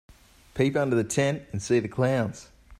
Peep under the tent and see the clowns.